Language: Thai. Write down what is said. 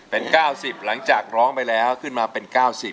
เป็น๙๐หลังจากร้องไปแล้วขึ้นมาเป็น๙๐